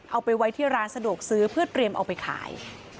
เอาไปไว้ที่ร้านสะดวกซื้อเพื่อเตรียมเอาไปขาย